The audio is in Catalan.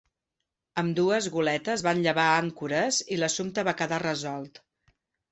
Ambdues goletes van llevar àncores i l'assumpte va quedar resolt.